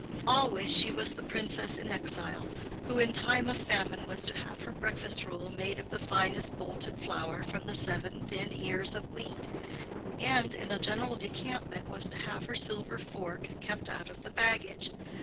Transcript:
Always she was the princess in exile, who in time of famine was to have her breakfast roll made of the finest bolted flour from the seven thin ears of wheat, and in a general decampment was to have her silver fork kept out of the baggage.